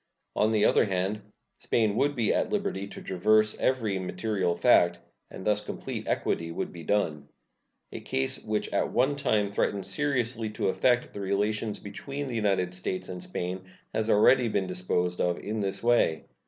On the other hand, Spain would be at liberty to traverse every material fact, and thus complete equity would be done. A case which at one time threatened seriously to affect the relations between the United States and Spain has already been disposed of in this way.